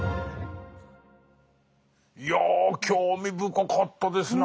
いや興味深かったですね。